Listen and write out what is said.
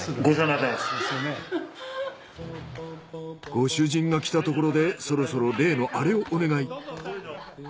ご主人が来たところでそろそろ例のアレをお願い。